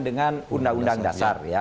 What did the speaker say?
dengan undang undang dasar ya